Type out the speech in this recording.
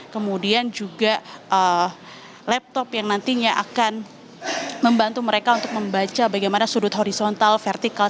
kemudian juga laptop yang nantinya akan membantu mereka untuk membaca bagaimana sudut horizontal vertikal